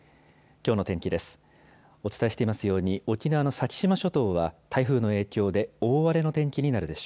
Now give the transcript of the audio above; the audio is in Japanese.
きょうの天気です。